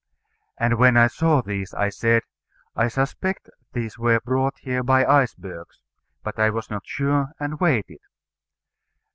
And when I saw these I said, "I suspect these were brought here by icebergs:" but I was not sure, and waited.